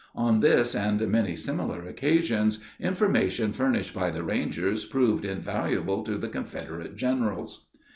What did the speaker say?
On this and many similar occasions information furnished by the Rangers proved invaluable to the Confederate generals.